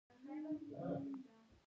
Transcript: د ملتونو وېستلو نظریه پخوا ردېده.